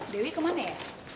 dewi kemana ya